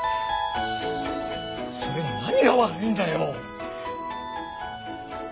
それの何が悪いんだよ！